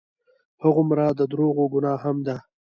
هغومره د دروغو ګناه هم ده.